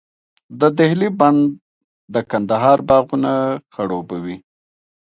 د دهلې بند د کندهار باغونه خړوبوي.